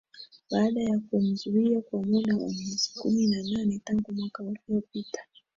baadaa ya kumzuia kwa muda wa miezi kumi na nane tangu mwaka uliopita